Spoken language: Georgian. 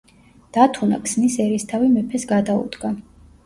დათუნა ქსნის ერისთავი მეფეს გადაუდგა.